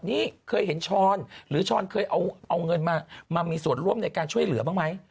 นี่เคยเห็นช้อนหรือช้อนเคยเอาเงินมามีส่วนร่วมในการช่วยเหลือบ้างไหม